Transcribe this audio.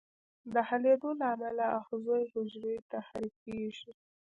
د حلېدو له امله آخذوي حجرې تحریکیږي.